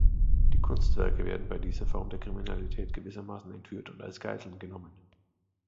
Die Kunstwerke werden bei dieser Form der Kriminalität gewissermaßen entführt und als Geiseln genommen.